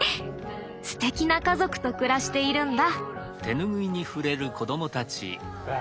ステキな家族と暮らしているんだ。